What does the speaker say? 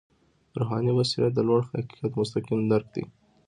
روحاني بصیرت د لوړ حقیقت مستقیم درک دی.